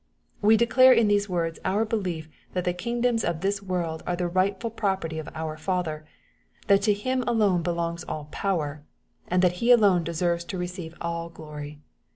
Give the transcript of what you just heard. '' We declare in these words our belief, that the kingdoms of this world are the rightful property of our Father, — ^that to Him alone belongs all '^ power,'' — and that He alone deserves to receive all " glory."